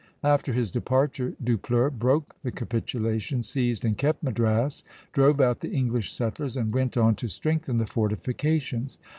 After his departure Dupleix broke the capitulation, seized and kept Madras, drove out the English settlers, and went on to strengthen the fortifications.